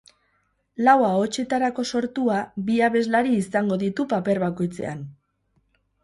Lau ahotsetarako sortua, bi abeslari izango ditu paper bakoitzean.